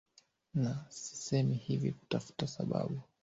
na sisemi hivi kutafuta sababu